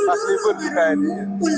pas libur juga ini